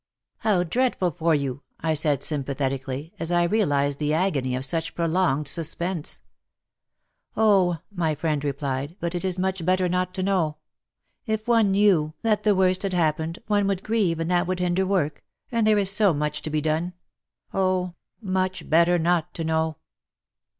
"How dreadful for you," I said sympathetically, as I realized the agony of such prolonged suspense. ''Oh!" my friend replied, "but it is much better not to know ! If one knew that the 36 WAR AND WOMEN worst had happened one would grieve and that would hinder work, and there is so much to be done !— Oh ! much better not to know